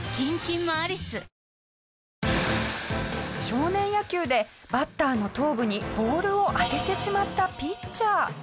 少年野球でバッターの頭部にボールを当ててしまったピッチャー。